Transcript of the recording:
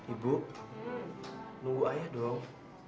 ibu nunggu ayah dong